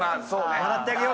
笑ってあげよう。